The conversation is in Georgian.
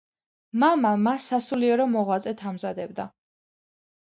მამა მას სასულიერო მოღვაწედ ამზადებდა.